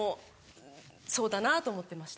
そうだなと思ってました。